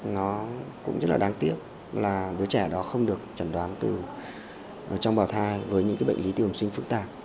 nó cũng rất là đáng tiếc là đứa trẻ đó không được trần đoán từ trong bào thai với những cái bệnh lý tiêu hồng sinh phức tạp